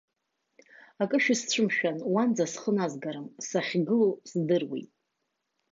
Акы шәысцәымшәан, уанӡа схы назгарым, сахьгылоу здыруеит!